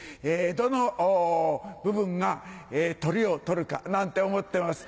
どの部分がトリを取るかなんて思ってます。